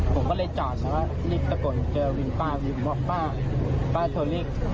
ผมก็เลยจอดนะว่ารีบตะกดเจอวินป้าวินป้าป้าโทรศิกษ์